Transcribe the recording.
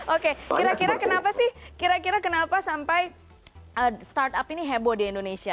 oke kira kira kenapa sih kira kira kenapa sampai startup ini heboh di indonesia